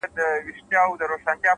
صبر د لویو هیلو ملګری دی’